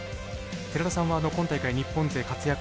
寺田さんは今大会日本勢、活躍